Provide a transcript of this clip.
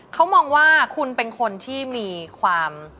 เขามองว่าคุณเป็นคนที่มีความ